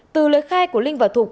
từ lời khai của linh và thục